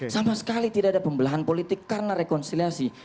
sama sekali tidak ada pembelahan politik karena rekonsiliasi